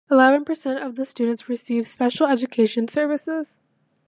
Eleven percent of the students receive special education services.